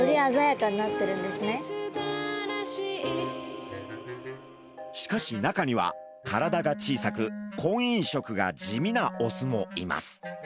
じゃあみんなしかし中には体が小さく婚姻色が地味なオスもいます。